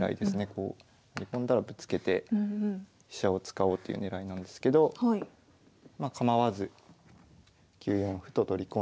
こう成り込んだらぶつけて飛車を使おうっていう狙いなんですけどまあ構わず９四歩と取り込んで。